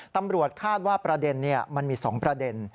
ตำรวจคาดว่าประเด็นมันมี๒ประเด็น